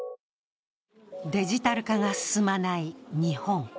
デジタル化が進まない日本。